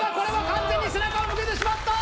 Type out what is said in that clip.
完全に背中を向けてしまった！